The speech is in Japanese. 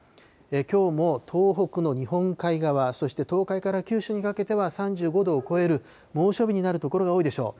きょうも東北の日本海側、そして東海から九州にかけては、３５度を超える猛暑日になる所が多いでしょう。